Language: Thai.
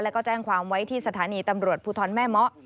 แล้วก็แจ้งความไว้ที่สถานีตำรวจภูทรแม่เมาะ